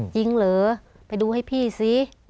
จริงเหรอไปดูให้พี่ซิ